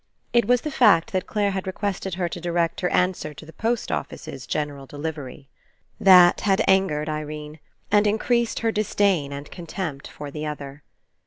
It was the fact that Clare had requested her to direct her an swer to the post office's general delivery. That had angered Irene, and increased her disdain and contempt for the other.